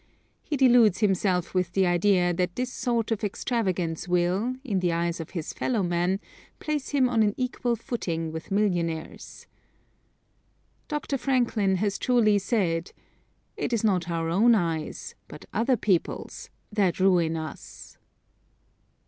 He deludes himself with the idea that this sort of extravagance will, in the eyes of his fellow men, place him on an equal footing with millionaires. Dr. Franklin has truly said: "It is not our own eyes, but other people's, that ruin us."